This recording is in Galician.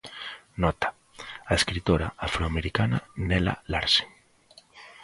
Nota: a escritora afroamericana Nella Larsen.